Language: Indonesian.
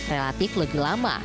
relatif lebih lama